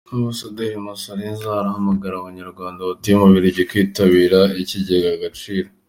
Ambasaderi Masozera arahamagarira abanyarwanda batuye mu Bubiligi kwitabira Ikijyega Agaciro